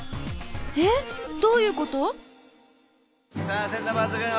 えっどういうこと？